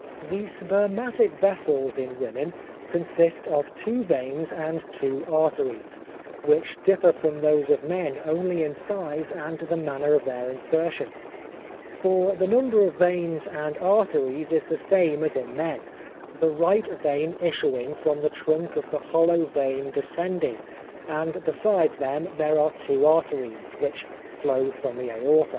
The spermatic vessels in women, consist of two veins and two arteries, which differ from those of men only in size and the manner of their insertion; for the number of veins and arteries is the same as in men, the right vein issuing from the trunk of the hollow vein descending and besides them there are two arteries, which flow from the aorta.